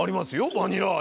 バニラ味